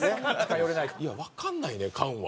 いやわかんないね菅は。